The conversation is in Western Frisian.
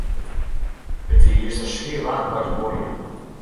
It wie juster swier waar by ús buorlju.